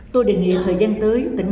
tôi đề nghị thời gian tới tỉnh